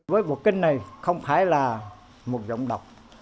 với cuộc kinh này không phải là một dòng đọc